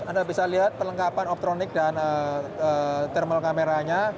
anda bisa lihat perlengkapan optronik dan thermal kameranya